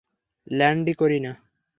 ল্যান্ডই করি না।